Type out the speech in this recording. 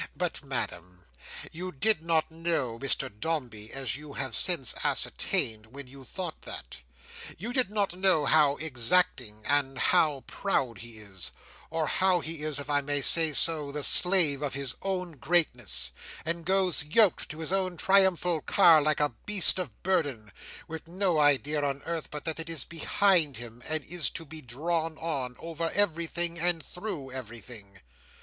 But, Madam, you did not know Mr Dombey (as you have since ascertained), when you thought that. You did not know how exacting and how proud he is, or how he is, if I may say so, the slave of his own greatness, and goes yoked to his own triumphal car like a beast of burden, with no idea on earth but that it is behind him and is to be drawn on, over everything and through everything."